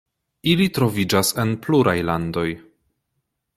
Ili troviĝas en pluraj landoj.